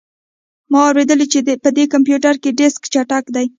ما اوریدلي چې په دې کمپیوټر کې ډیسک چټک دی